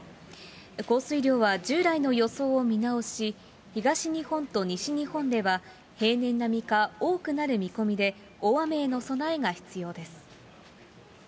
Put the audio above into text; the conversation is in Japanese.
降水量は従来の予想を見直し、東日本と西日本では平年並みか多くなる見込みで、大雨への備えが必要です。